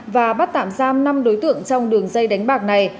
và bắt tạm giam năm đối tượng trong đường dây đánh bạc này